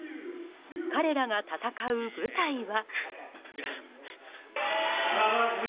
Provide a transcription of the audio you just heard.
彼らが戦う舞台は。